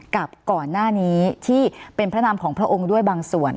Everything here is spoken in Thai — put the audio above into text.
กับก่อนหน้านี้ที่เป็นพระนามของพระองค์ด้วยบางส่วน